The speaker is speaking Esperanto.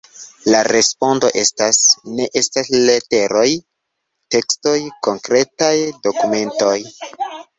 La respondo estas: ne estas leteroj, tekstoj, konkretaj dokumentoj.